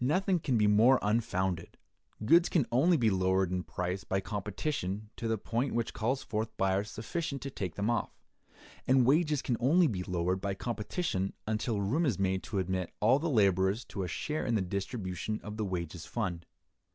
Nothing can be more unfounded. Goods can only be lowered in price by competition to the point which calls forth buyers sufficient to take them off; and wages can only be lowered by competition until room is made to admit all the laborers to a share in the distribution of the wages fund.